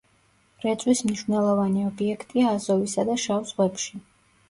რეწვის მნიშვნელოვანი ობიექტია აზოვისა და შავ ზღვებში.